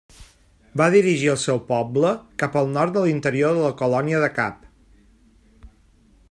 Va dirigir el seu poble cap al nord de l'interior de la Colònia del Cap.